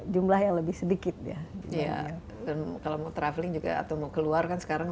jumlah yang lebih sedikit ya dan kalau mau traveling juga atau mau keluar kan sekarang